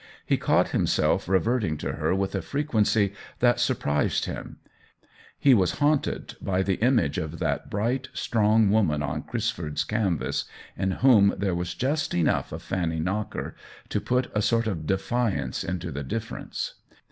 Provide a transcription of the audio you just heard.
He caught himself revert ing to her with a frequency that surprised him ; he was haunted by the image of that bright, strong woman on Crisford's canvas, in whom there was just enough of Fanny 54 THE WHEEL OF TIME Knocker to put a sort of defiance into the difference.